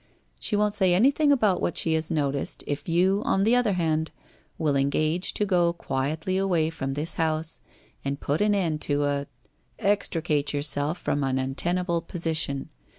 She won't say anything about what she has noticed, if you, on the other hand, will engage to go quietly away from this house and put an end to a — extricate yourself from an untenable position.